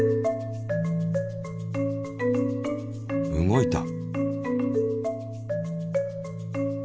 動いた！